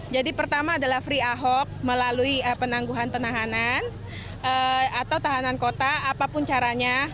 jadi pertama adalah free ahok melalui penangguhan penahanan atau tahanan kota apapun caranya